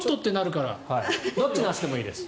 どっちの足でもいいです。